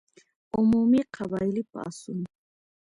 عمومي قبایلي پاڅون.